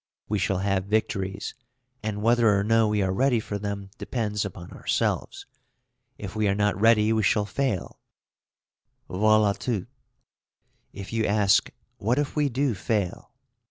We shall have victories, and whether or no we are ready for them depends upon ourselves; if we are not ready, we shall fail, voila tout. If you ask, what if we do fail?